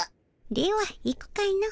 では行くかの。